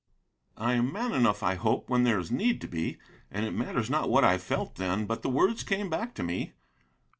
I am man enough, I hope, when there is need to be. And it matters not what I felt then, but the words came back to me.